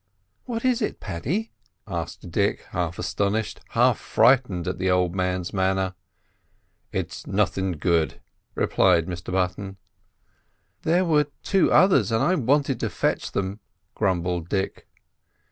"What is it, Paddy?" asked Dick, half astonished, half frightened at the old man's manner. "It's nothin' good," replied Mr Button. "There were two others, and I wanted to fetch them," grumbled Dick.